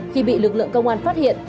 khi bị lực lượng công an phát hiện